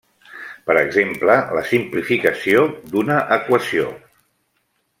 Per exemple: la simplificació d'una equació.